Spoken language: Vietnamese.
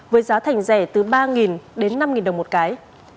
với giá thành rẻ từ ba đến năm đồng một cái